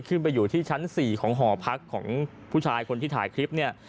ขึ้นไปอยู่ที่ชั้น๔ของหอพักของผู้ชายคนที่ถ่ายคลิปเนี่ย